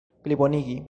plibonigi